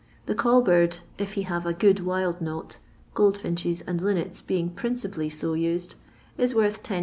The call bird, if he hava % good wild note— goldfinches and linnets being prineipaUy it used— is worth 10s.